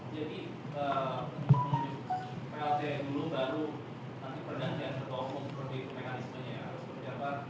jadi plt dulu baru nanti pergantian ketua umum seperti mekanismenya harus berjalan pak